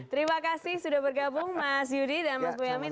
terima kasih sudah bergabung mas yudi dan mas boyamin